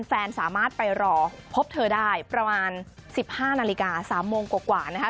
แฟนสามารถไปรอพบเธอได้ประมาณ๑๕นาฬิกา๓โมงกว่านะคะ